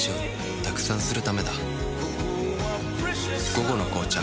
「午後の紅茶」